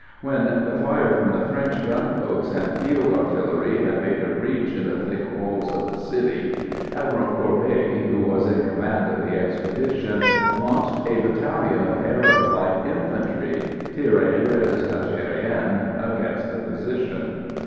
When the fire from the French gun boats and field artillery had made a breach in the thick walls of the city, Admiral Courbet, who was in command of the expedition, launched a battalion of Arab light infantry (Tirailleurs Algériens) against the position.